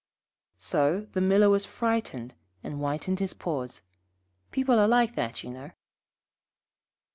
So the Miller was frightened, and whitened his paws. People are like that, you know.